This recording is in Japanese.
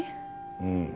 うん。